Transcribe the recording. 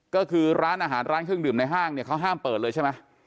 ก็คือร้านอาหารร้านเครื่องดื่มในห้างเนี่ยเขาห้ามเปิดเลยใช่ไหม